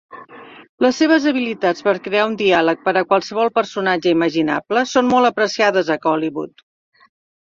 Les seves habilitats per crear un diàleg per a qualsevol personatge imaginable són molt apreciades a Kollywood.